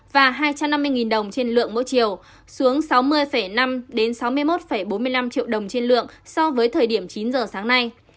và hai trăm năm mươi đồng trên lượng mỗi chiều xuống sáu mươi năm sáu mươi một bốn mươi năm triệu đồng trên lượng so với thời điểm chín giờ sáng nay